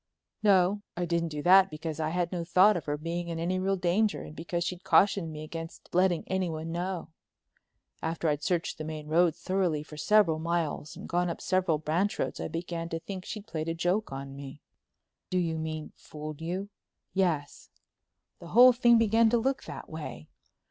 "No. I didn't do that because I had no thought of her being in any real danger and because she'd cautioned me against letting anyone know. After I'd searched the main road thoroughly for several miles and gone up several branch roads I began to think she'd played a joke on me." "Do you mean fooled you?" "Yes—the whole thing began to look that way.